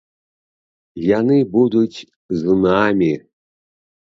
Яны будуць з намі.